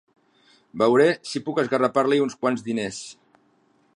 Veuré si puc esgarrapar-li uns quants diners.